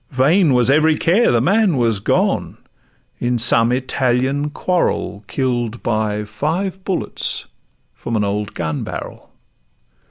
vain was every care; The man was gone: in some Italian quarrel Kill'd by five bullets from an old gun barrel.